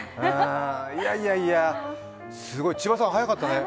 いやいやいや、すごい千葉さん早かったね。